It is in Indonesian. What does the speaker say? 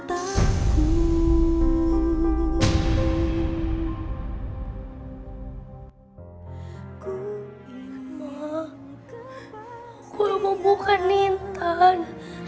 aku yang belum buka intan